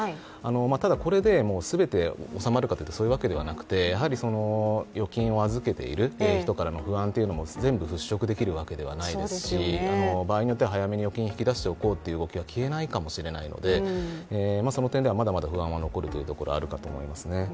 ただ、これで全て収まるかというとそういうわけではなくてやはり預金を預けている人からの不安を全部払拭できるわけではないですし、場合によっては早めに預金を引き出しておこうという動きは消えないのでその点ではまだまだ不安が残るということはあるかもしれないですね。